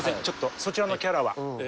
ちょっとそちらのキャラは？